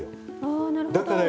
あなるほど。